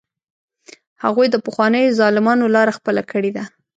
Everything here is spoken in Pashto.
هغوی د پخوانیو ظالمانو لاره خپله کړې ده.